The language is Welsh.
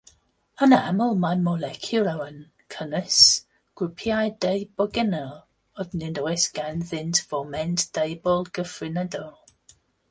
Yn aml mae moleciwlau'n cynnwys grwpiau deubegynol, ond nid oes ganddynt foment ddeubol gyffredinol.